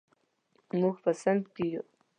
موږ په صنف کې یو.